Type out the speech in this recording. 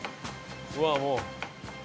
うわもう。